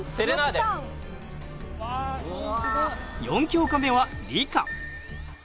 ４教科目は理科。